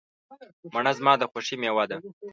مڼه زما د خوښې مېوه ده.